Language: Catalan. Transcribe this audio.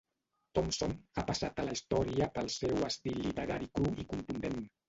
Thompson ha passat a la història pel seu estil literari cru i contundent.